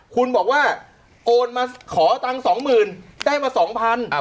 คุณบอกว่าโอนมาขอตังค์๒๐๐๐ได้มา๒๐๐บาท